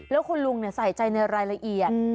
แล้วคุณลุงใส่ใจในรายละเอียด